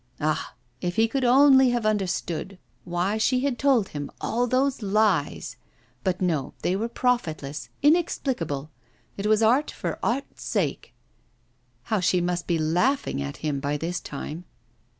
Ah! if he could only have understood why she had told him all those lies; but no, they were profitless, inexplicable. It was art for art's sake. How she must be laughing at him by this time.